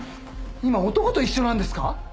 今男と一緒なんですか？